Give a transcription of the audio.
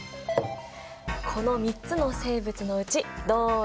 この３つの生物のうちどれだ？